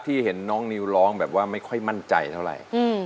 เห็นน้องนิวร้องแบบว่าไม่ค่อยมั่นใจเท่าไหร่